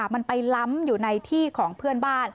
มันไปล้ำอยู่ในที่ของเพื่อนบ้าน